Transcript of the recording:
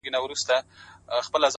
د زنده باد د مردباد په هديره كي پراته.